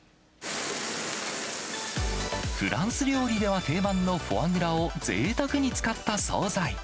フランス料理では定番のフォアグラをぜいたくに使った総菜。